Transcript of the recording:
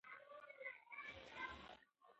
که زده کوونکی زیارکښ وي نو درس نه پاتیږي.